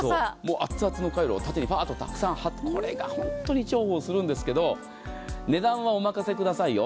熱々のカイロを縦に貼ったようなこれが本当に重宝するんですけれども値段はお任せください。